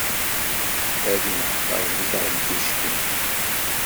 Ad imḥeq Ṛebbi taɣedduct-im!